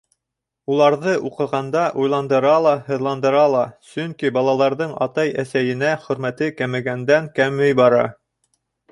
Уларҙы уҡығанда уйландыра ла, һыҙландыра ла, сөнки балаларҙың атай-әсәйенә хөрмәте кәмегәндән-кәмей бара.